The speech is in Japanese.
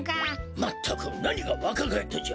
まったくなにがわかがえったじゃ。